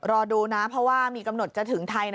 รอดูนะเพราะว่ามีกำหนดจะถึงไทย